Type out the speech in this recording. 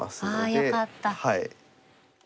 ああよかった。